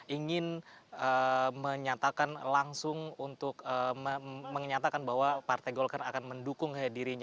ingin menyatakan langsung untuk menyatakan bahwa partai golkar akan mendukung dirinya